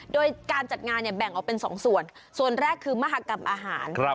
โดยการจัดงานเนี่ยแบ่งออกเป็น๒ส่วนส่วนแรกคือมหากรรมอาหาร